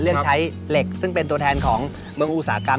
เลือกใช้เหล็กซึ่งเป็นตัวแทนของเมืองอุตสาหกรรม